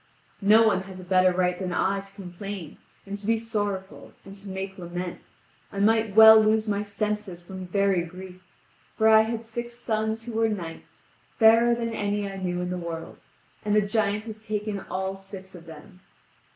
No one has a better right than I to complain, and to be sorrowful, and to make lament. I might well lose my senses from very grief, for I had six sons who were knights, fairer than any I knew in the world, and the giant has taken all six of them.